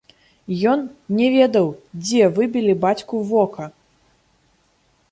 Ён не ведаў, дзе выбілі бацьку вока.